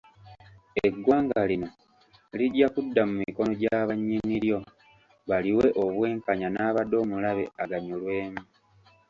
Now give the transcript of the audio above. Eggwanga lino lijja kudda mu mikono gya bannyini lyo baliwe obwekanya n’abadde omulabe aganyulwemu.